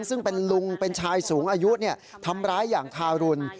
ซึ่งเป็นลุงเป็นชายสูงอายุทำร้ายอย่างทารุณ